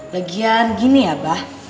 lagian gini abah